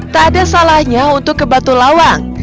tak ada salahnya untuk ke batu lawang